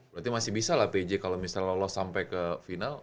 berarti masih bisa lah pj kalau misalnya lolos sampai ke final